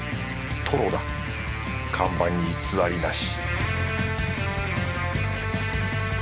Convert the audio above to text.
トロだ看板に偽りなし